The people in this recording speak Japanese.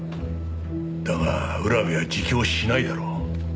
だが浦部は自供しないだろう。